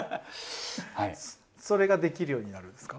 ⁉それができるようになるんですか？